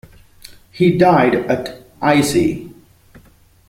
He died at Issy.